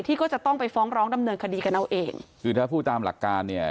ก็จะต้องไปฟ้องร้องดำเนินคดีกันเอาเองคือถ้าพูดตามหลักการเนี่ย